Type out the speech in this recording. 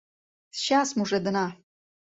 Счас мужедына.